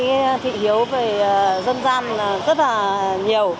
cái thị hiếu về dân gian rất là nhiều